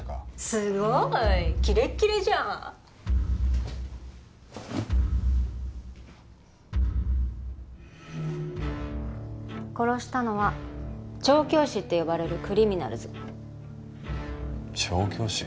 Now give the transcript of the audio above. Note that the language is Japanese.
すごいキレッキレじゃん殺したのは調教師って呼ばれるクリミナルズ調教師？